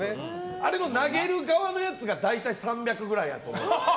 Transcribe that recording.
あれの投げる側のやつが大体３００ぐらいやと思う。